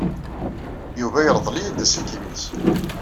Yuba yerḍel-iyi-d aselkim-nnes.